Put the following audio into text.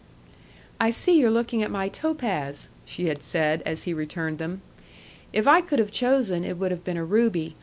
"I see you're looking at my topaz," she had said, as he returned them. "If I could have chosen, it would have been a ruby.